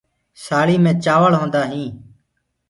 سآݪينٚ مي چآوݪ ہوندآ هينٚ۔